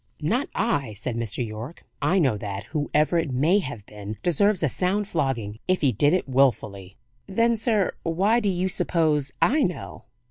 "Not I," said Mr. Yorke. "I know that, whoever it may have been deserves a sound flogging, if he did it willfully." "Then, sir, why do you suppose I know?"